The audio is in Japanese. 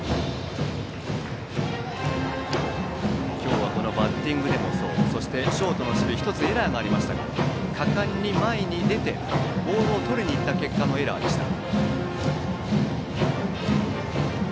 今日はバッティングでもそうそしてショートの守備１つエラーがありましたが果敢に前に出てボールをとりにいった結果のエラーでした。